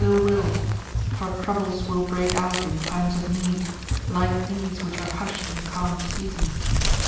ill will, for troubles will break out in times of need like these which are hushed in calm seasons.